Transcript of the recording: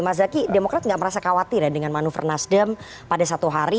mas zaky demokrat nggak merasa khawatir ya dengan manuver nasdem pada satu hari